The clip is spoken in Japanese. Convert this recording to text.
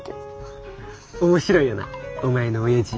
面白いよなお前の親父。